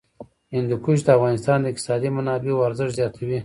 هندوکش د افغانستان د اقتصادي منابعو ارزښت زیاتوي.